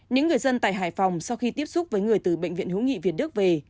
những người dân tại hải phòng sau khi tiếp xúc với người từ bệnh viện hữu nghị việt đức về